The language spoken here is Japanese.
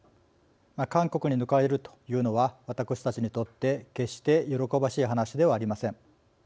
韓国に抜かれるというのは私たちにとって決して喜ばしい話ではありません。